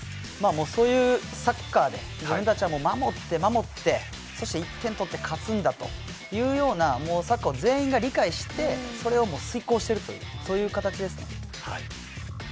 そういうサッカーで自分たちは守って、守ってそして１点取って勝つんだというようなサッカーを全員が理解してそれを遂行しているというそういう形ですね。